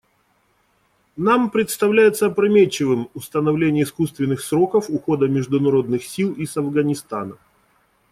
Нам представляется опрометчивым установление искусственных сроков ухода международных сил из Афганистана.